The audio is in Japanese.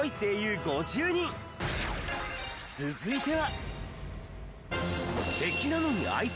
続いては。